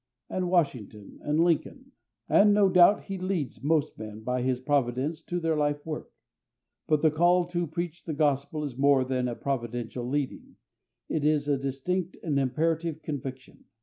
And Washington and Lincoln? And, no doubt, He leads most men by His providence to their life work; but the call to preach the Gospel is more than a providential leading; it is a distinct and imperative conviction.